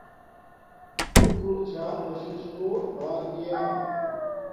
شکور چھا خوش شس کوٹ بار گیا